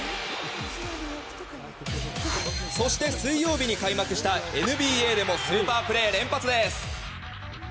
そして水曜日に開幕したＮＢＡでもスーパープレー連発です。